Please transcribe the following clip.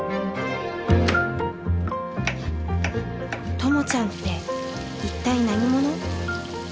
ともちゃんって一体何者？